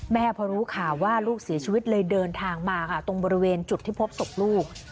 พอรู้ข่าวว่าลูกเสียชีวิตเลยเดินทางมาค่ะตรงบริเวณจุดที่พบศพลูก